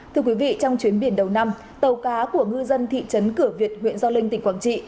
thưa quý vị trong chuyến biển đầu năm tàu cá của ngư dân thị trấn cửa việt huyện do linh tỉnh quảng trị